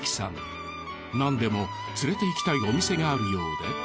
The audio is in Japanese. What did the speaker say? なんでも連れていきたいお店があるようで。